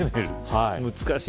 難しい。